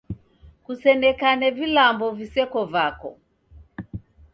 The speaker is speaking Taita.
Kusenekane vilambo viseko vako